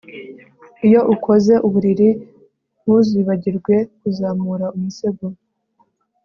Iyo ukoze uburiri ntuzibagirwe kuzamura umusego